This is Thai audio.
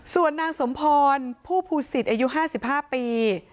ส่วนนางสมพรผู้ผู้สิทธิ์อายุห้าสิบห้าปี